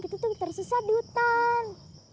itu tuh tersesat di hutan